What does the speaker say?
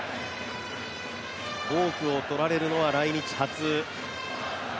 ボークをとられるのは来日初。